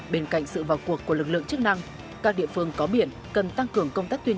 bên cạnh sự vào cuộc của lực lượng chức năng các địa phương có biển cần tăng cường công tác tuyên